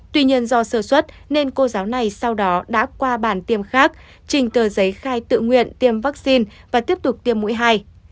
tuy nhiên do sơ xuất nên cô giáo này sau đó đã qua bản tiêm khác trình tờ giấy khai tự nguyện tiêm vaccine và tiếp tục tiêm mũi hai